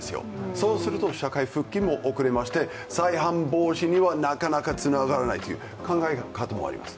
そうすると社会復帰も遅れまして再犯防止にはなかなかつながらないという考え方もあります。